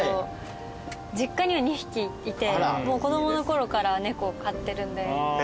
実家には２匹いて子供のころから猫を飼ってるんで。